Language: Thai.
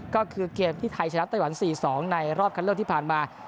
ก็คือเกมที่ไทยชนะไต้หวัน๔๒ในรอบคันเลือกที่ผ่านมา